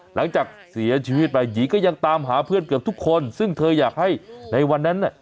หลังจากเสียชีวิตไปหยีก็ยังตามหาเพื่อนเกือบทุกคนซึ่งเธออยากให้ในวันนั้นน่ะ